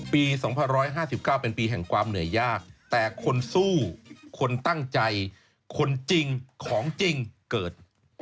ปี๒๕๕๙เป็นปีแห่งความเหนื่อยยากแต่คนสู้คนตั้งใจคนจริงของจริงเกิด